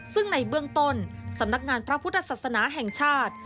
ซึ่งในเบื้องต้นสำนักงานพระพุทธศาสนาแห่งชาติ